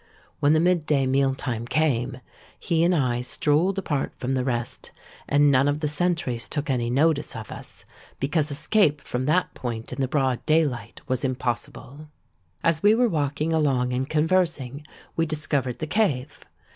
When the mid day meal time came, he and I strolled apart from the rest; and none of the sentries took any notice of us, because escape from that point in the broad day light was impossible. As we were walking along and conversing, we discovered the cave.